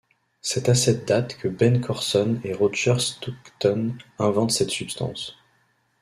C'est à cette date que Ben Corson et Roger Stoughton inventent cette substance.